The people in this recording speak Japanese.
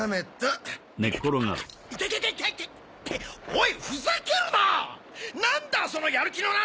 おいふざけるな！